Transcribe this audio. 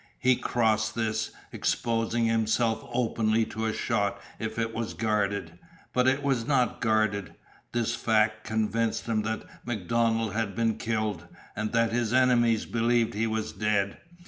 He crossed this, exposing himself openly to a shot if it was guarded. But it was not guarded. This fact convinced him that MacDonald had been killed, and that his enemies believed he was dead.